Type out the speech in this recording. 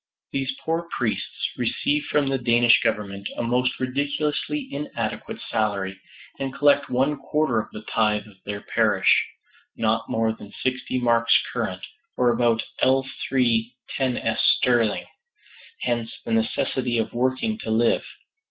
These poor priests receive from the Danish Government a most ridiculously inadequate salary, and collect one quarter of the tithe of their parish not more than sixty marks current, or about L3 10s. sterling. Hence the necessity of working to live.